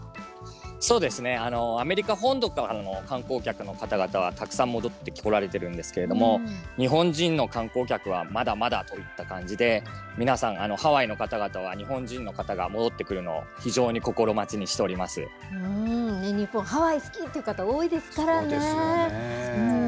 そうですね、アメリカ本土からの観光客の方々はたくさん戻ってこられてるんですけれども、日本人の観光客はまだまだといった感じで、皆さん、ハワイの方々は、日本人の方が戻ってくるのを非常日本人、ハワイ好きという方、多いですからね。